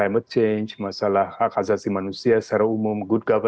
masalah hak asasi manusia secara umum